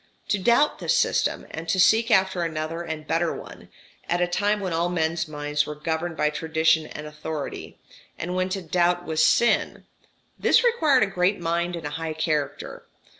To doubt this system, and to seek after another and better one, at a time when all men's minds were governed by tradition and authority, and when to doubt was sin this required a great mind and a high character.